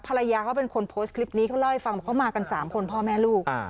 ภรรยาเขาเป็นคนโพสต์คลิปนี้เขาเล่าให้ฟังว่าเขามากัน๓คนพ่อแม่ลูก